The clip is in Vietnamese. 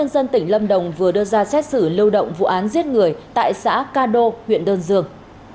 tnt lâm đồng vừa đưa ra xét xử lưu động vụ án giết người tại xã ca đô huyện đơn dường